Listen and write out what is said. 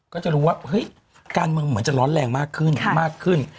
ก็จะรู้ว่าเฮ้ยการมึงเหมือนจะร้อนแรงมากขึ้น